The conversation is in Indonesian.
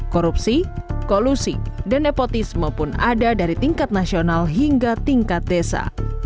korupsi kolusi dan nepotisme pun ada dari tingkat nasional hingga tingkat desa